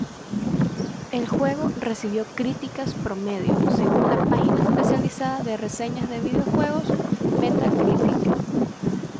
El juego recibió críticas "promedio" según la página especializada de reseñas de videojuegos Metacritic.